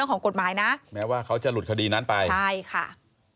ของกฎหมายนะแม้ว่าเขาจะหลุดคดีนั้นไปใช่ค่ะ